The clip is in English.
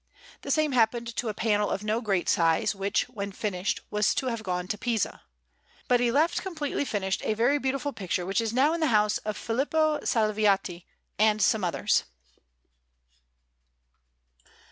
The same happened to a panel of no great size, which, when finished, was to have gone to Pisa. But he left completely finished a very beautiful picture which is now in the house of Filippo Salviati, and some others.